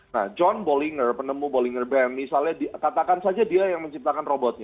nah john bollinger penemu bollinger bands misalnya katakan saja dia yang menciptakan robot